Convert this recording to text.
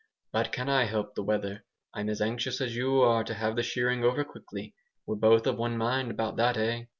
But can I help the weather? I'm as anxious as you are to have the shearing over quickly. We're both of one mind about that, eh?"